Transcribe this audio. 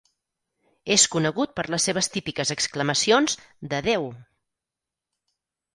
És conegut per les seves típiques exclamacions d'"Adéu!".